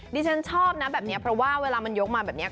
ดิฉันชอบนะแบบนี้เพราะว่าเวลามันยกมาแบบนี้